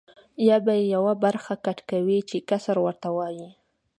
یا به یوه برخه کټ کوې چې قصر ورته وایي.